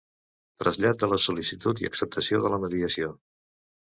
Trasllat de la sol·licitud i acceptació de la mediació.